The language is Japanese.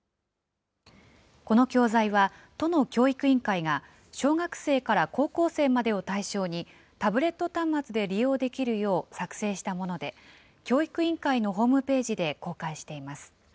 この教材は、都の教育委員会が、小学生から高校生までを対象に、タブレット端末で利用できるよう作成したもので、教育委員会のホームページで公開しています。